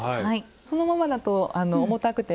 そのままだと重たくて。